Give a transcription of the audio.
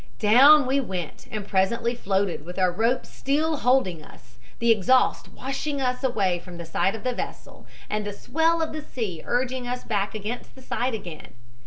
"Down we went and presently floated, with our ropes still holding us, the exhaust washing us away from the side of the vessel and the swell of the sea urging us back against the side again.